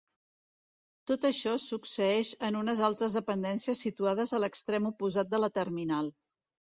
Tot això succeeix en unes altres dependències situades a l'extrem oposat de la terminal.